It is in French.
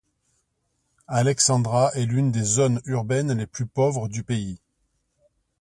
Alexandra est l'une des zones urbaines les plus pauvres du pays.